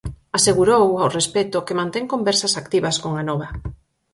Asegurou, ao respecto, que mantén conversas "activas" con Anova.